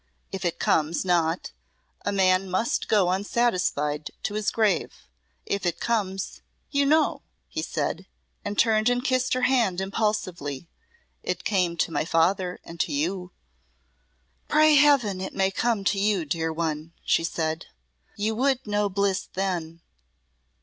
If it comes not, a man must go unsatisfied to his grave. If it comes You know," he said, and turned and kissed her hand impulsively, "It came to my father and to you." "Pray Heaven it may come to you, dear one," she said; "you would know bliss then."